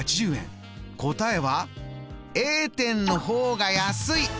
答えはＡ店の方が安いでした！